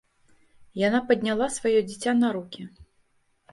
Яна падняла сваё дзіця на рукі.